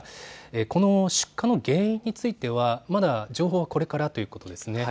この出火の原因についてはまだ情報はこれからということですね。